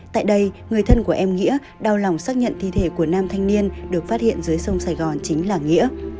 tại đây người thân của em nghĩa đau lòng xác nhận thi thể của nam thanh niên được phát hiện dưới sông sài gòn chính là nghĩa